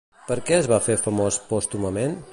Per què es va fer famós pòstumament?